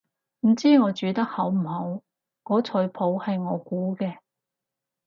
唔知我煮得好唔好，個菜譜係我估嘅